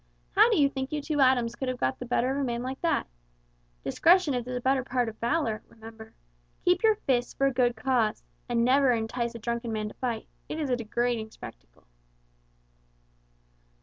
How do you think you two atoms could have got the better of a man like that? 'Discretion is the better part of valor' remember. Keep your fists for a good cause. And never entice a drunken man to fight. It is a degrading spectacle."